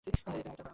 আমি তার বাবা।